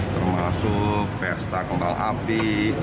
termasuk pesta kembang api